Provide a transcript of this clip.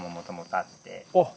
あっ。